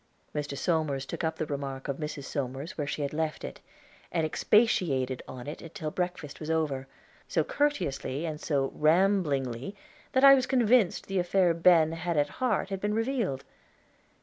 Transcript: Mr. Somers took up the remark of Mrs. Somers where she had left it, and expatiated on it till breakfast was over, so courteously and so ramblingly that I was convinced the affair Ben had at heart had been revealed.